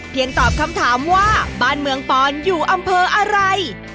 ตอบคำถามว่าบ้านเมืองปอนอยู่อำเภออะไร